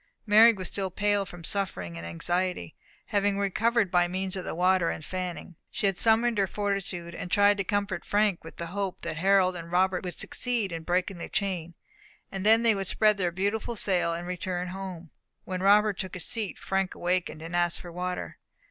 Mary was still pale from suffering and anxiety; having recovered by means of the water and fanning, she had summoned her fortitude and tried to comfort Frank with the hope that Harold and Robert would succeed in breaking the chain, and then that they would spread their beautiful sail, and return home. When Robert took his seat, Frank awakened, and asked for water.